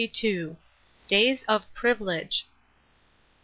DAYS OF PRIVILEGE.